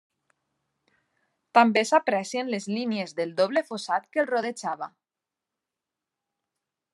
També s'aprecien les línies del doble fossat que el rodejava.